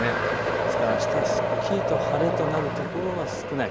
ですからあしたはすっきりと晴れとなるところは少ない。